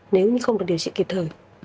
nếu không được điều trị kịp thời